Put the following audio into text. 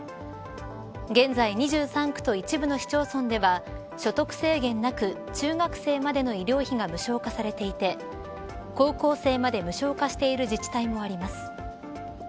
現在２３区と一部の市町村では所得制限なく中学生までの医療費が無償化されていて高校生まで無償化している自治体もあります。